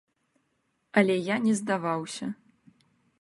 Але я не здаваўся.